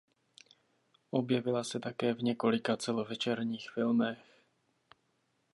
Objevila se také v několika celovečerních filmech.